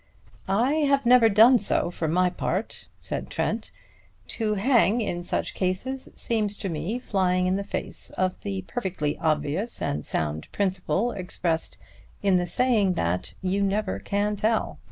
"I never have done so, for my part," said Trent. "To hang in such cases seems to me flying in the face of the perfectly obvious and sound principle expressed in the saying that 'you never can tell.'